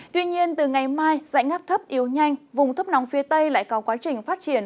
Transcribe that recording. tuy nhiên từ ngày mai dãy ngắp thấp yếu nhanh vùng thấp nóng phía tây lại có quá trình phát triển